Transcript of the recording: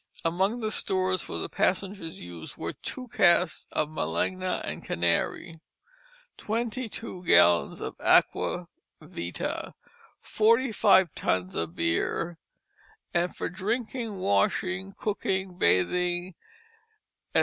Among the stores for the passengers' use were two casks of Malaga and Canary; twenty gallons of aqua vitæ; forty five tuns of beer; and for drinking, washing, cooking, bathing, etc.